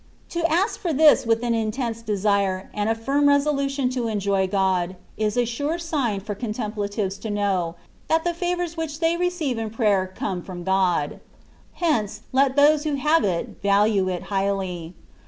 To ask for this with an intense desire, and a firm resolu tion to enjoy God, is a sure sign for " Contempla tives'^ to know, that the favours which they receive in prayer come from God. Hence, let those who have it value it highly.